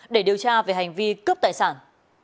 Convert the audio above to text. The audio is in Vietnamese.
để điều tra về hành vi cướp tài sản